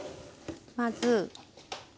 まず。